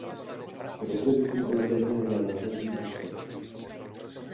Rozvinutý byl zejména námořní obchod.